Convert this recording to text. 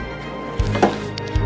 jangan lupa untuk mencoba